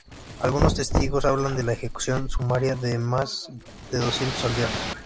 Algunos testigos hablan de la ejecución sumaria de más de doscientos aldeanos.